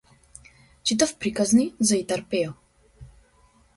Читав приказни за Итар Пејо.